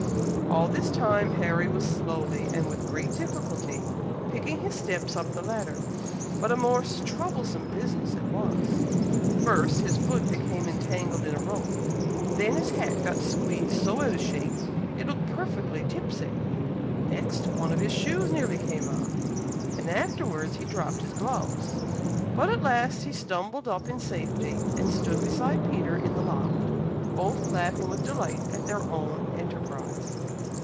All this time, Harry was slowly, and with great difficulty, picking his steps up the ladder, but a most troublesome business it was! First, his foot became entangled in a rope, then his hat got squeezed so out of shape, it looked perfectly tipsy, next, one of his shoes nearly came off, and afterwards he dropped his gloves; but at last he stumbled up in safety, and stood beside Peter in the loft, both laughing with delight at their own enterprize.